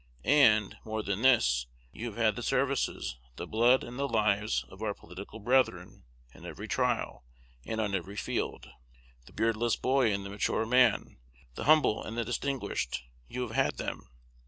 And, more than this, you have had the services, the blood, and the lives of our political brethren in every trial, and on every field. The beardless boy and the mature man, the humble and the distinguished, you have had them.